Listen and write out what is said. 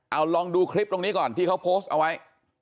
เอาลองดูคลิปตรงนี้ก่อนที่เขาโพสต์เอาไว้